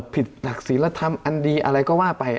ผิดหลักศิลธรรมอันดีอะไรก็ว่าไป